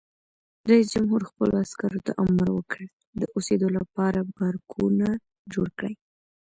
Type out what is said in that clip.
رئیس جمهور خپلو عسکرو ته امر وکړ؛ د اوسېدو لپاره بارکونه جوړ کړئ!